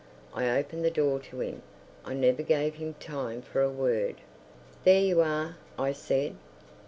I opened the door to him. I never gave him time for a word. "There you are," I said.